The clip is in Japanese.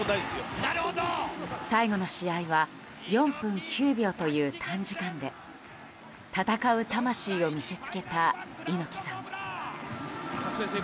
最後の試合は４分９秒という短時間で闘う魂を見せつけた猪木さん。